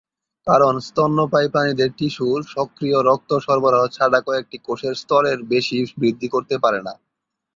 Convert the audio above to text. কারণ স্তন্যপায়ী প্রাণীদের টিস্যু সক্রিয় রক্ত সরবরাহ ছাড়া কয়েকটি কোষের স্তরের বেশি বৃদ্ধি করতে পারে না।